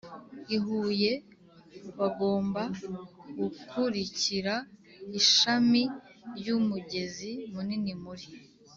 Ihuye bagomba gukurikira ishami ry umugezi munini muri